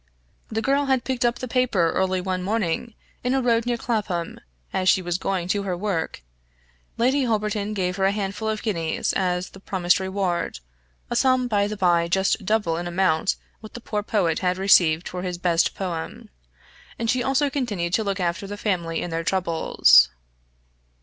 The girl had picked up the paper early one morning, in a road near Clapham, as she was going to her work; Lady Holberton gave her a handful of guineas as the promised reward a sum by the bye just double in amount what the poor poet had received for his best poem and she also continued to look after the family in their troubles.